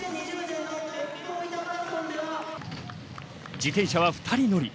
自転車は２人乗り。